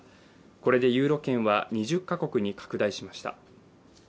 これでユーロ圏は２０か国に拡大しました。